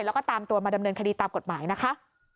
แล้วก็ตามตัวมาดำเนินคดีตามกฎหมายนะคะ